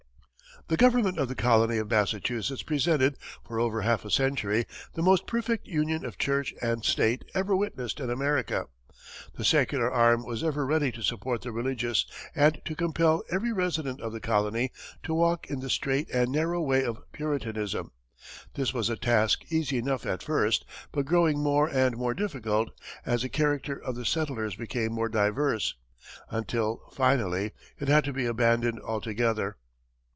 The government of the colony of Massachusetts presented, for over half a century, the most perfect union of church and state ever witnessed in America. The secular arm was ever ready to support the religious, and to compel every resident of the colony to walk in the strait and narrow way of Puritanism. This was a task easy enough at first, but growing more and more difficult as the character of the settlers became more diverse, until, finally, it had to be abandoned altogether.